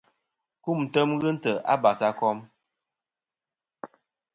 Kumtem ghɨ ntè' a basakom.